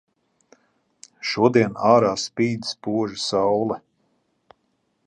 Šodien ārā spīd spoža saule.